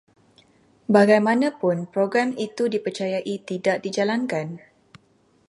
Bagaimanapun, program itu dipercayai tidak dijalankan